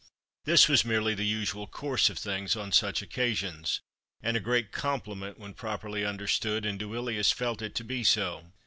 This was merely the usual course of things on such occasions, and a great compliment when properly understood, and Duilius felt it to be so.